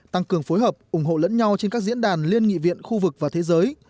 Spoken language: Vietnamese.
tăng cường phối hợp ủng hộ lẫn nhau trên các diễn đàn liên nghị viện khu vực và thế giới